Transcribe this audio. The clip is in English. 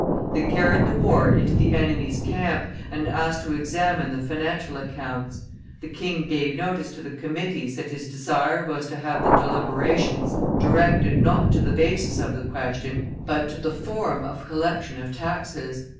They carried the war into the enemy's camp, and asked to examine the financial accounts. The king gave notice to the committees that his desire was to have the deliberations directed not to the basis of the question but to the form of collection of taxes.